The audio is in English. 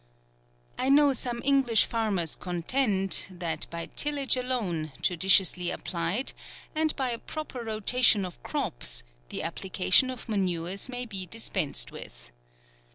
I know some English farmers contend, that by tillage alone, judiciously applied, and by a proper rotation of crops, the application of manures may be dispensed with.